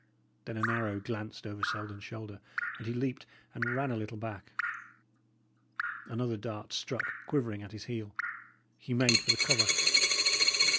Then an arrow glanced over Selden's shoulder; and he leaped and ran a little back. Another dart struck quivering at his heel. He made for the cover.